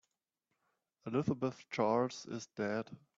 Elizabeth Charles is dead.